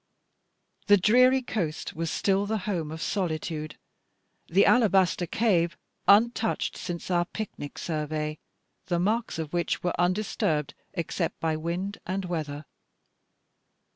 The dreary coast was still the home of solitude, the alabaster cave untouched since our pic nic survey; the marks of which were undisturbed except by wind and weather.